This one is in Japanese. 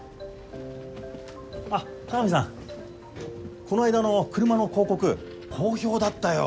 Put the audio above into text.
あっ鏡さんこないだの車の広告好評だったよ。